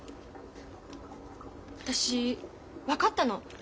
私分かったの。